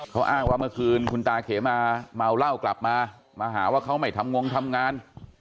เขาอ้างว่าเมื่อคืนคุณตาเขมาเมาเหล้ากลับมามาหาว่าเขาไม่ทำงงทำงาน